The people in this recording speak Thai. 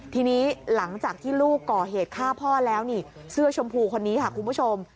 ทีนี้หลังจากที่ลูกก่อเหตุฆ่าพ่อแล้วนี่เสื้อชมพูคนนี้ค่ะคุณผู้ชม